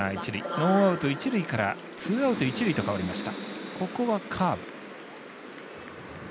ノーアウト、一塁からツーアウト、一塁へと変わりました。